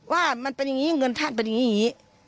ว่ามันเป็นอย่างนี้เงินท่านเป็นอย่างนี้